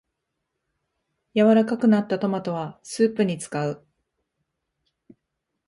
柔らかくなったトマトはスープに使う